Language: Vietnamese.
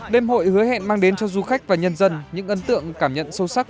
đêm hội hứa hẹn mang đến cho du khách và nhân dân những ấn tượng cảm nhận sâu sắc